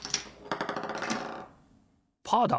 パーだ！